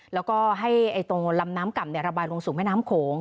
แล้วก็ให้ตรงลำน้ำก่ำระบายลงสู่แม่น้ำโขง